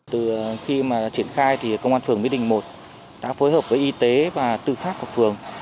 từ khi mà triển khai thì công an phường mỹ đình một đã phối hợp với y tế và tư pháp của phường